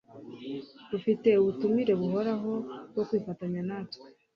Ufite ubutumire buhoraho bwo kwifatanya natwe.